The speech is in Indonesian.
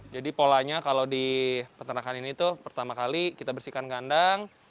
jadi polanya kalau di peternakan ini itu pertama kali kita bersihkan kandang